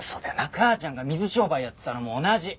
母ちゃんが水商売やってたのも同じ。